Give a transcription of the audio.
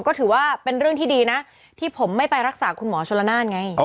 ก็ถือว่าเป็นเรื่องที่ดีนะที่ผมไม่ไปรักษาคุณหมอชนละนานไง